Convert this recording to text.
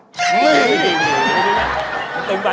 ดึงหน้า